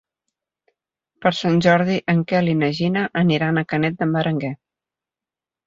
Per Sant Jordi en Quel i na Gina aniran a Canet d'en Berenguer.